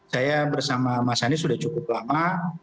saya bersama mas anies sudah cukup lama